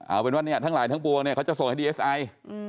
เอาเป็นว่าเนี่ยทั้งหลายทั้งปวงเนี่ยเขาจะส่งให้ดีเอสไอ